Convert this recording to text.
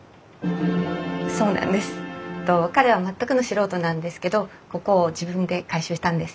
えと彼は全くの素人なんですけどここを自分で改修したんです。